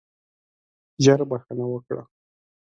ژر بخښنه وکړه.